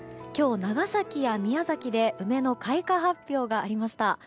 今日、長崎や宮崎で梅の開花発表がありました。